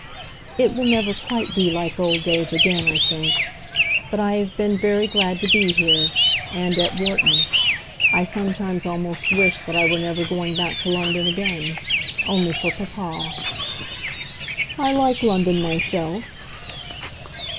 "It will never quite be like old days again, I think. But I have been very glad to be here, and at Wharton. I sometimes almost wish that I were never going back to London again, only for papa." "I like London myself."